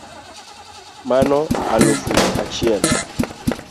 Mano alufu achiel